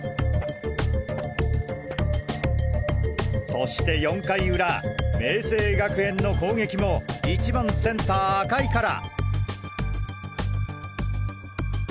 そして４回裏明青学園の攻撃も１番センター赤井から！